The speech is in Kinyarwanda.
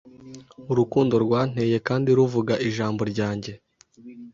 Urukundo rwanteye kandi ruvuga ijambo ryanjye